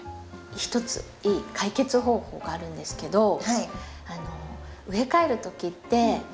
ひとついい解決方法があるんですけど植え替える時ってよくこういう。